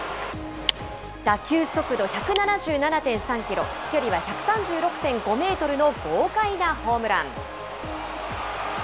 打球速度１７７．３キロ、飛距離は１３６．５メートルの豪快なホームラン。